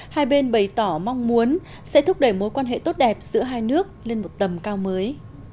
hai bên bày tỏ mong muốn sẽ thúc đẩy mối quan hệ tốt đẹp giữa hai nước lên một tầm cao mới